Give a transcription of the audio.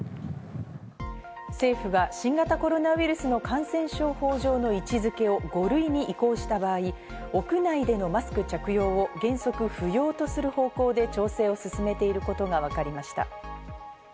政府が新型コロナウイルスの感染症法上の位置付けを５類に移行した場合、屋内でのマスク着用を原則不要とする方向で調整を進めていることがわかりました。